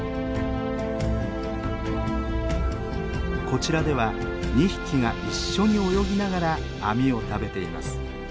こちらでは２匹が一緒に泳ぎながらアミを食べています。